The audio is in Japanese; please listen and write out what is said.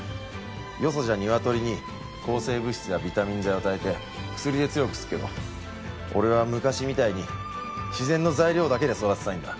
よそじゃニワトリに抗生物質やビタミン剤を与えて薬で強くすっけど俺は昔みたいに自然の材料だけで育てたいんだ。